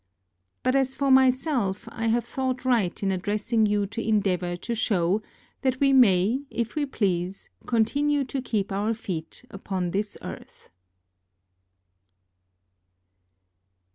But as for myself, I have thought right in addressing you to endeavour to show that we may if we please continue to keep our feet upon this earth.